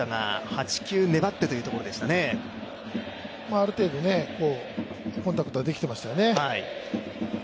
ある程度コンタクトはできていましたよね。